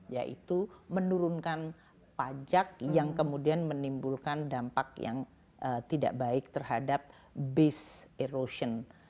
yaitu menurunkan pajak yang kemudian menimbulkan dampak yang tidak baik terhadap based erosion